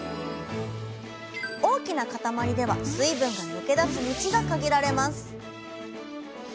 大きなかたまりでは水分が抜け出す道が限られます。